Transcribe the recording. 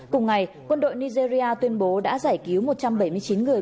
cùng ngày quân đội nigeria tuyên bố đã giải cứu một trăm bảy mươi chín người